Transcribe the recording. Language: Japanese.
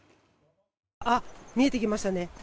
見えてきましたね。